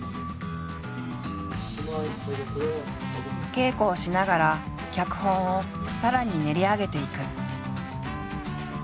稽古をしながら脚本をさらに練り上げていく。